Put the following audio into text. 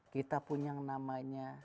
kita punya yang namanya